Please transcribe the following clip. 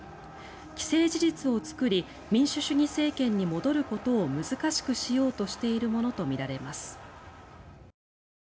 既成事実を作り民主主義政権に戻ることを難しくしようとしているものとみられます。